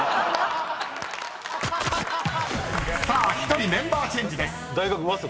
［１人メンバーチェンジです］